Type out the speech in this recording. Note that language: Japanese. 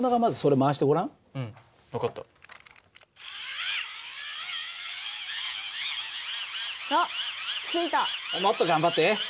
もっと頑張って！